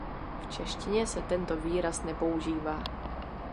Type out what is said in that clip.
V češtině se tento výraz nepoužívá.